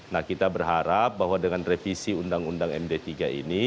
nah kita berharap bahwa dengan revisi undang undang md tiga ini